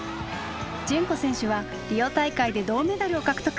順子選手はリオ大会で銅メダルを獲得。